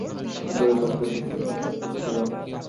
হঠাৎ মনে হইল এতদিন তাহার বুকের উপর একটা দুঃস্বপ্ন চাপিয়া ছিল।